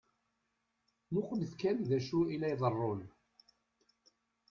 Muqlet kan d acu i la iḍeṛṛun.